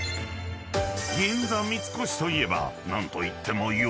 ［銀座三越といえば何といっても］